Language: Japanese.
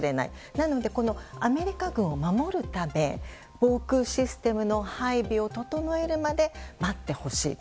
なのでアメリカ軍を守るため防空システムの配備を整えるまで待ってほしいと。